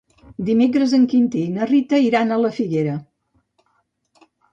Dimecres en Quintí i na Rita iran a la Figuera.